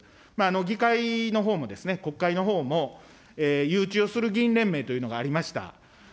議会のほうもですね、国会のほうも誘致をする議員連盟というのがありました。